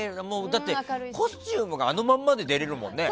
だってコスチュームがあのままで出れるもんね。